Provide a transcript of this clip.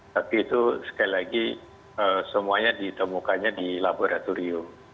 tapi itu sekali lagi semuanya ditemukannya di laboratorium